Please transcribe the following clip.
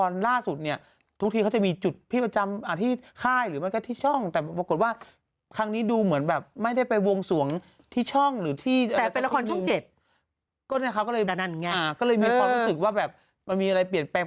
มีความรู้สึกว่าแบบมันมีอะไรเปลี่ยนแปลง